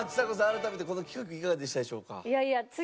改めてこの企画いかがでしたでしょうか？